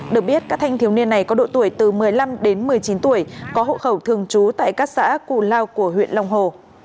được biết các thanh thiếu niên này có độ tuổi từ một mươi năm đến một mươi chín tuổi có hộ khẩu thường trú tại các xã cù lao của huyện long hồ